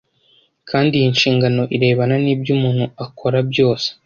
kandi iyi nshingano irebana n’ibyo umuntu akora byose